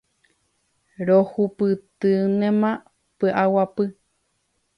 Rohupytýnema py'aguapy.